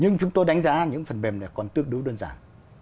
nhưng chúng tôi đánh giá những phần mềm này còn tương đối đơn giản